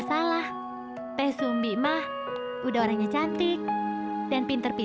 sampai jumpa di video selanjutnya